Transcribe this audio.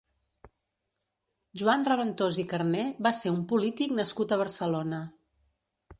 Joan Reventós i Carner va ser un polític nascut a Barcelona.